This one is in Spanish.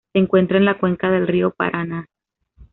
Se encuentra en la cuenca del río Paraná.